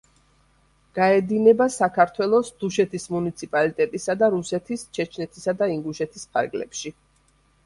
გაედინება საქართველოს დუშეთის მუნიციპალიტეტისა და რუსეთის ჩეჩნეთისა და ინგუშეთის ფარგლებში.